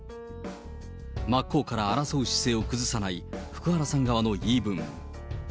真っ向から争う姿勢を崩さない福原さん側の言い分。